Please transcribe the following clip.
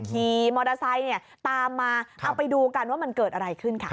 ขี่มอเตอร์ไซค์ตามมาเอาไปดูกันว่ามันเกิดอะไรขึ้นค่ะ